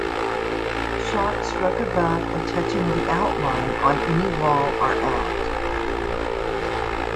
Shots struck above or touching the out line, on any wall, are out.